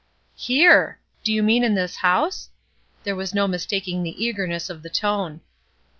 MELINDY'S BED 187 ''Here! Do you mean in this house?" There was no mistaking the eagerness of the tone.